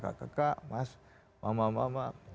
ada kakak kakak mas mama mama